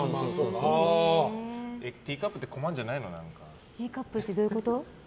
ティーカップって困るんじゃないの？